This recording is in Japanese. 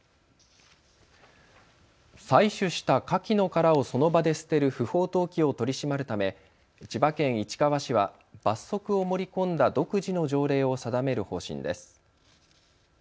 採取したかきの殻をその場で捨てる不法投棄を取り締まるため千葉県市川市は罰則を盛り込んだ独自の条例を定める方針です。